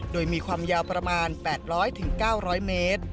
โดยมีความยาวประมาณ๘๐๐๙๐๐เมตร